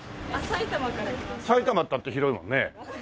埼玉っていったって広いもんね。